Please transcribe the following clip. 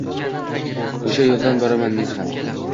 O’sha yo’ldan boraman men xam.